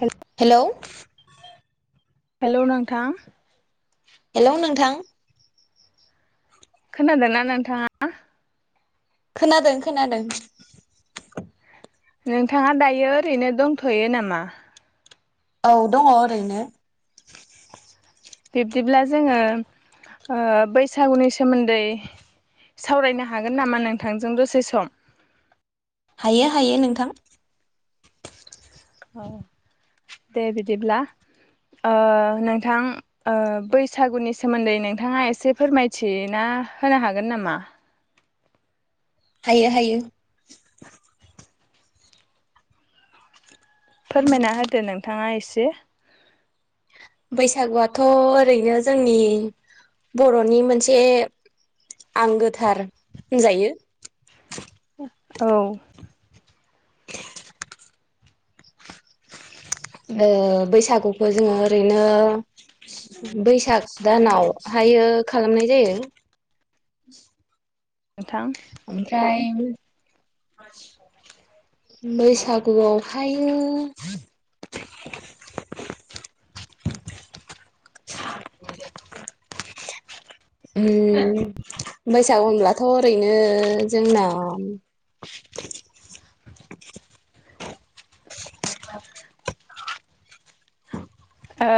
हेल hello hello नोंथां hello नोंथां खोनादो ना नोंथाङा? खोनादों खोनादों। नोंथाङा दायो ओरैनो दंथ'यो नामा? औ दङ ओरैनो। बिब्दिब्ला जोङो ओ बैसागुनि सोमोन्दै सावरायनो हागोन नामा नोंथांजों दसे सम? हायो हायो नोंथां। औ दे बिदिब्ला। ओ नोंथां ओ बैसागुनि सोमोन्दै नोंथाङा एसे फोरमायथिना होनो हागोन नामा? हायो हायो। फोरमायना होदो नोंथाङा एस से बैसागुआथ' ओरैनो जोंनि बर'नि मोनसे आंगोथार होनजायो। औ ओ बैसागुखौ जोङो ओरैनो बैसाग दानाव हायो खालामनाय जायो नोंथां। ओमफ्राय बैसागुआवहायो ओम बैसागु होनब्लाथ' ओरैनो जोंना [inaudible] ओ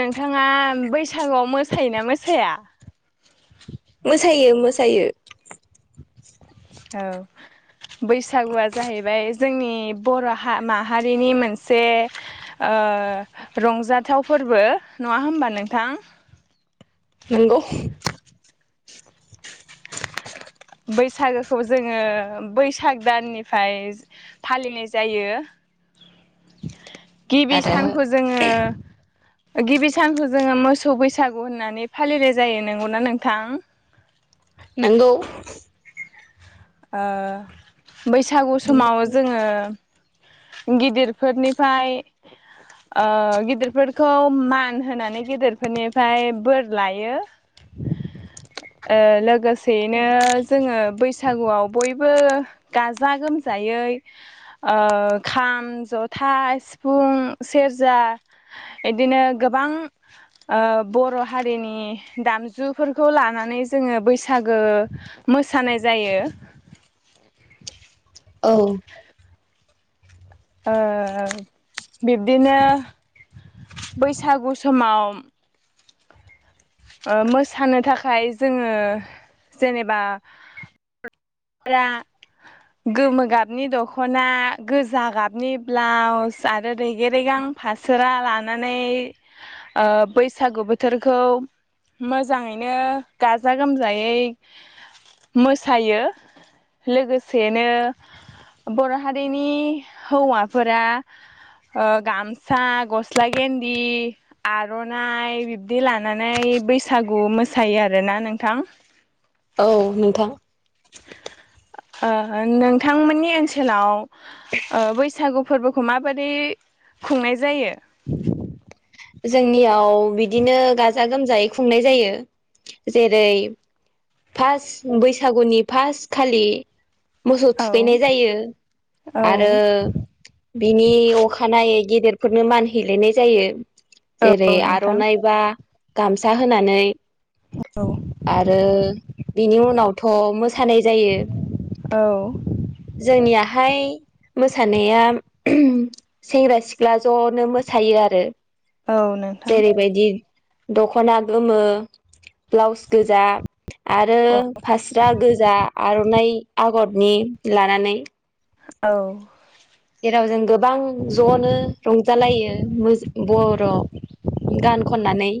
नोंथाङा बैसागुआव मोसायोना मोसाया? मोसायो मोसायो। औ बैसागुआ जाहैबाय जोंनि बर' हा माहारिनि मोनसे ओ रंजाथाव फोरबो। नङा होमबा नोंथां? नोंगौ। बैसागोखौ जोङो बैसाग दाननिफाय फालिनाय जायो। गिबि आरो सानखौ जोङो ओ गिबि सानखौ जोङो मोसौ बैसागु होननानै फालिनाय जायो। नोंगौना नोंथां? नोंगौ ओ बैसागु बे समाव जोङो गिदिरफोरनिफ्राय ओ गिदिरफोरखौ मान होनानै गिदिरफोरनिफ्राय बोर लायो ओ लोगोसेयैनो जोङो बैसागुआव बयबो गाजा गोमजायै ओ खाम जथा सिफुं सेरजा इदिनो गोबां ओ बर' हारिनि दामजुफोरखौ लानानै जोङो बैसागो मोसानाय जायो औ ओ बिब्दिनो बैसागु समाव ओ मोसानो थाखाय जोङो जेनेबा गोमो गाबनि दख'ना गोजा गाबनि ब्लाउस आरो रेगेरेगां फासोरा लानानै ओ बैसागु बोथोरखौ मोजाङैनो गाजा गोमजायै मोसायो लोगोसेनो बर' हारिनि हौवाफोरा ओ गामसा गस्ला गेन्दि आर'नाइ बिब्दि लानानै बैसागु मोसायो आरोना नोंथां औ नोंथां ओ नोंथांमोननि ओनसोलाव ओ बैसागु फोरबोखौ माबादियै खुंनाय जायो? जोंनियाव बिदिनो गा जा गोमजायै खुंनाय जायो जेरै फास बैसागुनि फास खालि मोसौ औ थुखैनाय जायो औ आरो बिनि अखानायै गेदेरफोरनो मान हैैलायनाय जायो औ जेरै नोंथां आर'नाइ बा गामसा होनानै औ आरो बिनि उन उनावथ' मोस मोसानाय जायो औ जोंनियाहाय मोसानाया सेंग्रा सिख्ला ज'नो मोसायो आरो औ नोंथां जेरैबायदि दखना गोमो ब्लाउस गोजा आरो औ फास्रा गोजा आर'नाइ आगर नि लानानै औ जेराव जों गोबां ज'नो रंजालायो मोज बर' गान खननानै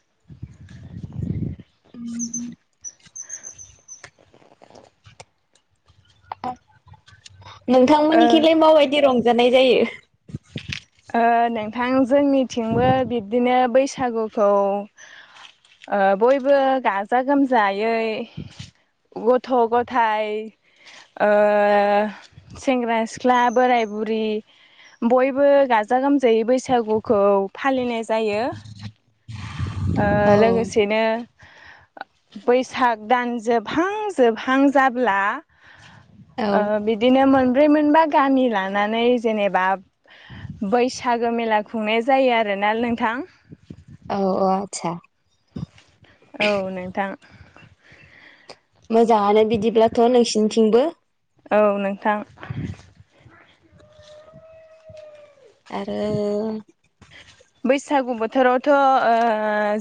[inaudible] [unintelligible] नोंथांमोननिखैलाय माबायदि रं जानाय जायो ओ नोंथां जोंनिथिंबो बिब्दिनो बैसागुखौ ओ बयबो गाजा गोमजायै गथ' गथाय ओ सेंग्रा सिख्ला बोराय बुरि बयबो गाजा गोमजायै बैसागुखौ फालिनाय जायो ओ औ लोगोसेनो बैसाग दान जोबहां जोबहां जाब्ला औ ओ बिदिनो मोन बे मोनबा गामि लानानै जेनेबा बैसागो मेला खुंनाय जायो आरोना नोंथां औ औ आतसा औ नोंथां मोजाङानो बिदिब्लाथ' नोंसिनि थिंबो औ नोंथां आरो बैसागु बोथोरावथ' ओ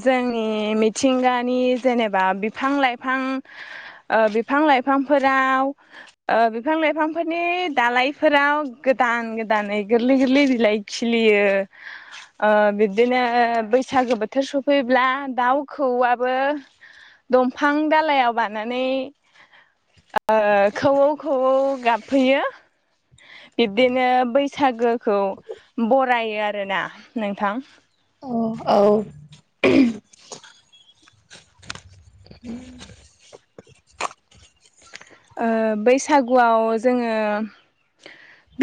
जोंनि मिथिंगानि जेनेबा बिफां लाइफां ओ बिफां लाइफांफोराव ओ बिफां लाइफांफोरनि दालइफोराव गोदान गोदानै गोरलै गोरलै बिलाइ खिलियो ओ बिदिनो बैसागो बोथोर सफैब्ला दाउ खौवौआबो दंफां दालायाव बानानै ओ खौवौ खौवौ गाबफैयो बिब्दिनो बैसागो खौ ब बरायो आरोना नोंथां औ ओ बैसागुआव जोङो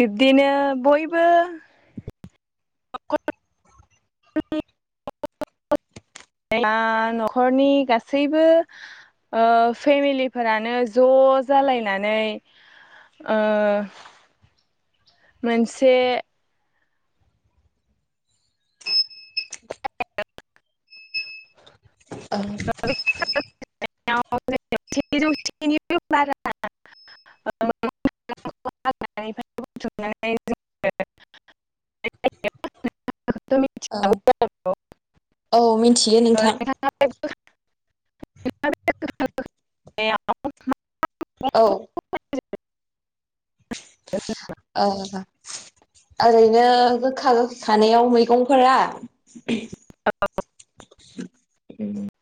बिब्दिनो बयबो बेबे न'खरनि गासैबो ओ फेमिलिफोरानो ज' जालायनानै ओ मोनसे ओ [unintelligible] औ औ मिथियो नोंथां [unintelligible] [unintelligible] औ [unintelligible] ओ ओरैनो गोखा गोखा खानायाव मैगंफोरा [unintelligible]